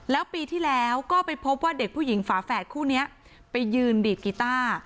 แล้วปีที่แล้วก็ไปพบว่าเด็กผู้หญิงฝาแฝดคู่นี้ไปยืนดีดกีต้า